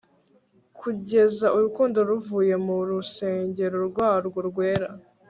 kugeza urukundo ruvuye mu rusengero rwarwo rwera